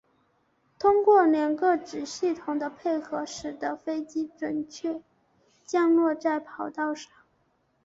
通过两个子系统的配合使得飞机准确降落在跑道上。